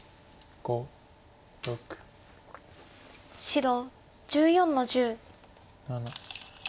白１４の十。